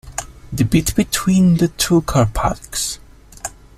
The bit between the two car parks?